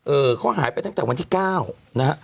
เออเขาหายไปตั้งแต่วันที่๙นะฮะ